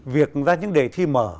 việc ra những đề thi mở